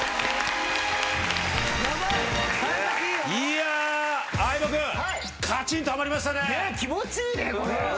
いや相葉君かちんとはまりましたね。